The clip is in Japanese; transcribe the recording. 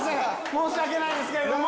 申し訳ないですけれども。